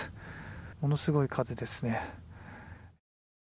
ものすごい数ですね。